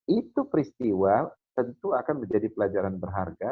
itu peristiwa tentu akan menjadi pelajaran berharga